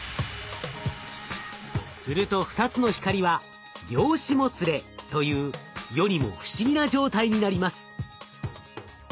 すると２つの光は「量子もつれ」という世にも不思議な状態になります。